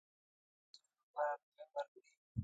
د جنازې مراسمو لپاره روپۍ ورکړې.